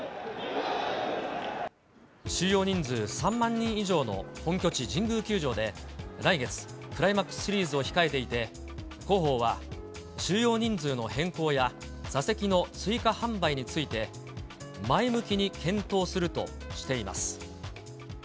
収容人数３万人以上の本拠地、神宮球場で来月、クライマックスシリーズを控えていて、広報は収容人数の変更や、座席の追加販売について、前向きに検討するとしています。